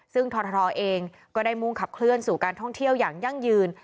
ซึ่งททเองก็ได้มุ่งขับเคลื่อนสู่การท่องเที่ยวอย่างยั่งยืน